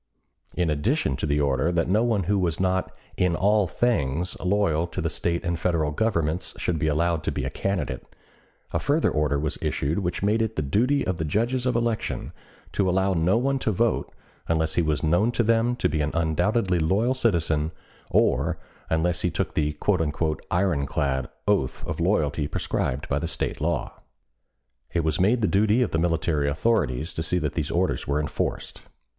In addition to the order that no one who was not in all things loyal to the State and Federal Governments should be allowed to be a candidate, a further order was issued which made it the duty of the judges of election to allow no one to vote unless he was known to them to be an undoubtedly loyal citizen or unless he took the "iron clad" oath of loyalty prescribed by the State law. It was made the duty of the military authorities to see that these orders were enforced.